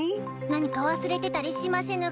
何か忘れてたりしませぬか？